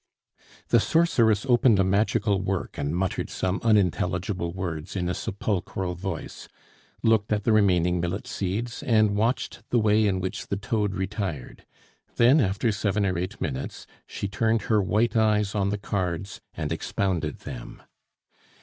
The sorceress opened a magical work and muttered some unintelligible words in a sepulchral voice, looked at the remaining millet seeds, and watched the way in which the toad retired. Then after seven or eight minutes, she turned her white eyes on the cards and expounded them.